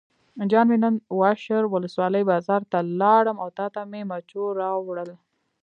جان مې نن واشر ولسوالۍ بازار ته لاړم او تاته مې مچو راوړل.